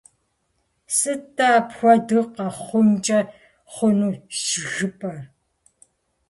Сыт-тӀэ апхуэдэу къэхъункӀэ хъуну щӀыжыпӀэр?